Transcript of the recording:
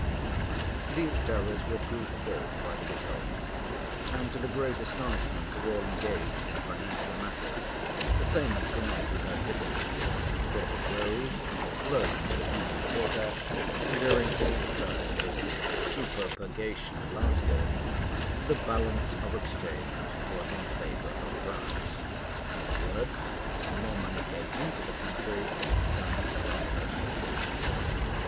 These terrors were proved false by the result; and to the great astonishment of all engaged in financial matters, the payments were made without difficulty, credit rose, loans were eagerly caught at, and during all the time this "superpurgation" lasted, the balance of exchange was in favor of France. In other words, more money came into the country than went out of it.